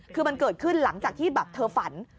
คือมันเกิดขึ้นหลังจากที่แบบเธอฝัน